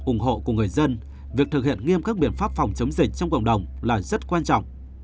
ủng hộ của người dân việc thực hiện nghiêm các biện pháp phòng chống dịch trong cộng đồng là rất quan trọng